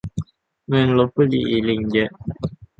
เมืองลพบุรีลิงเยอะ